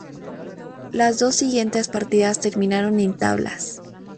Las dos siguientes partidas terminaron en tablas.